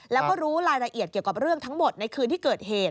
แล้วก็รู้รายละเอียดเกี่ยวกับเรื่องทั้งหมดในคืนที่เกิดเหตุ